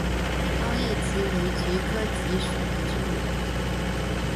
苞叶蓟为菊科蓟属的植物。